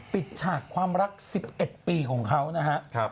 ปิดฉากความรัก๑๑ปีของเขานะฮะ